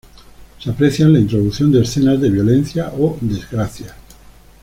Se aprecia la introducción de escenas de violencia o desgracia.